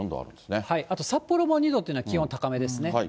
あと札幌も２度というのは気温、高めですね。